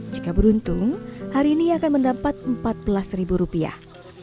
jika beruntung hari ini akan mendapat empat belas ribu rupiah